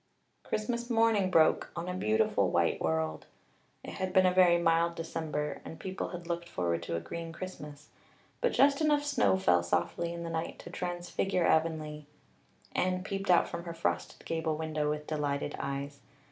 Christmas morning broke on a beautiful white world. It had been a very mild December and people had looked forward to a green Christmas; but just enough snow fell softly in the night to transfigure Avonlea. Anne peeped out from her frosted gable window with delighted eyes.